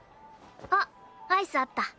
あっアイスあった。